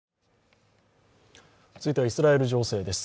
続いてはイスラエル情勢です。